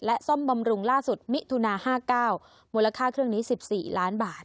และซ่อมบำรุงล่าสุดมิถุนาห้าเก้ามูลค่าเครื่องนี้สิบสี่ล้านบาท